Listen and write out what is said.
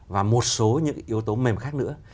và một số những yếu tố mềm khác nữa